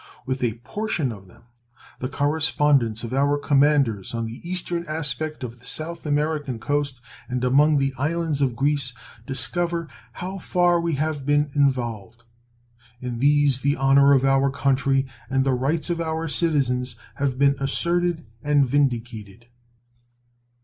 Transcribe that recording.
With a portion of them the correspondence of our commanders on the eastern aspect of the South American coast and among the islands of Greece discover how far we have been involved. In these the honor of our country and the rights of our citizens have been asserted and vindicated.